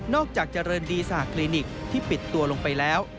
จากเจริญดีสหคลินิกที่ปิดตัวลงไปแล้ว